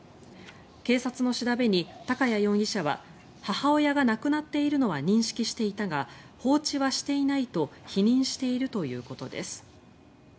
警察の調べに、高谷容疑者は母親が亡くなっているのは認識していたが放置はしていないと否認しているということです。